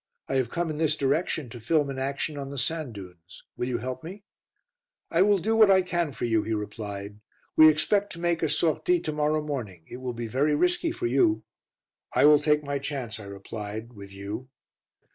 I have come in this direction to film an action on the sand dunes. Will you help me?" "I will do what I can for you," he replied. "We expect to make a sortie to morrow morning. It will be very risky for you." "I will take my chance," I replied, "with you."